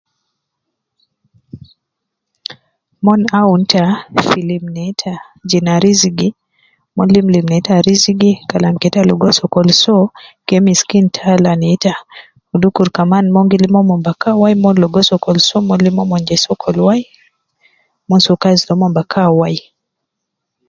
Mon aun ita fi lim neita jina rizigi. Mon limlim neita jina rizigi Kalam kede ita ligo sokol Soo kede miskin tala minta miskin. Dukur umon lim umon bakan wai mon ligo sokol ta soo Mon lim je sokol wai mon soo kazi toumon bakan wai